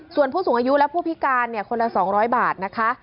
ส่วนผู้สูงอายุและผู้พิการคนละ๒๐๐บาทนะคะ